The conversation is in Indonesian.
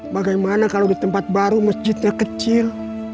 bagaimana kalau di tempat baru masjidnya kecil